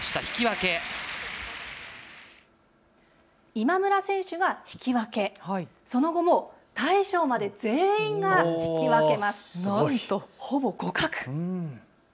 今村選手が引き分け、その後も大将まで全員が引き分けます。